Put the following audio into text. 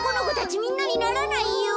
みんなにならないよ。